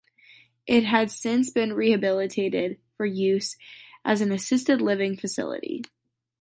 It has since been rehabilitated for use as an assisted living facility.